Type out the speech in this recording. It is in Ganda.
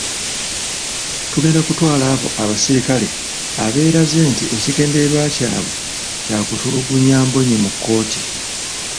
Tugenda kutwala abo abasirikale abeeraze nti ekigenderwa kyabwe kyatulugunya Mbonye mu kooti.